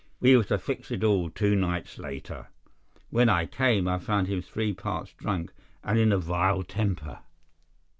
We were to fix it all two nights later. When I came, I found him three parts drunk and in a vile temper.